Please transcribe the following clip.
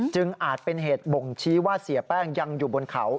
อาจเป็นเหตุบ่งชี้ว่าเสียแป้งยังอยู่บนเขา